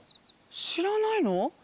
しらないの？